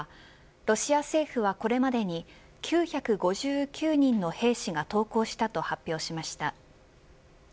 ロシア政府は、これまでに９５９人の兵士が投降したと発表しました。